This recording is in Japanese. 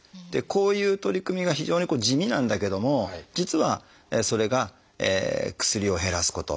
こういう取り組みは非常に地味なんだけども実はそれが薬を減らすこと。